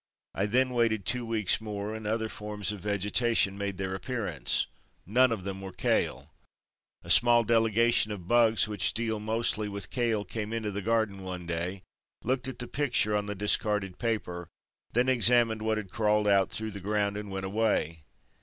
I then waited two weeks more and other forms of vegetation made their appearance. None of them were kale. A small delegation of bugs which deal mostly with kale came into the garden one day, looked at the picture on the discarded paper, then examined what had crawled out through the ground and went away.